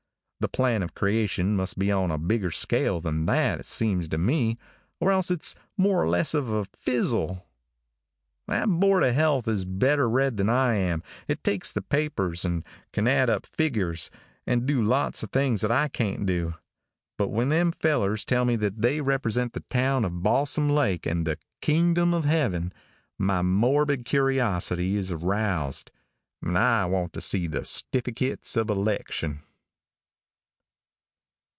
The plan of creation must be on a bigger scale than that, it seems to me, or else it's more or less of a fizzle. "That board of health is better read than I am. It takes the papers and can add up figures, and do lots of things that I can't do; but when them fellers tell me that they represent the town of Balsam Lake and the Kingdom of Heaven, my morbid curiosity is aroused, and I want to see the stiffykits of election."